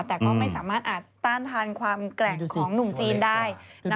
แต่ก็ไม่สามารถอาจต้านทานความแกร่งของหนุ่มจีนได้